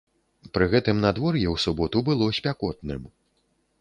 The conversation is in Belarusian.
Пры гэтым надвор'е ў суботу было спякотным.